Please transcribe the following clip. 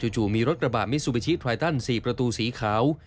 จู่มีรถกระบะมิซูบิชิไทตัน๔ประตูสีขาว